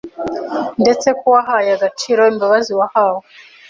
ndetse ko wahaye agaciro imbabazi wahawe.